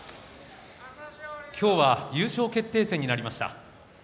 今日は、優勝決定戦になりました。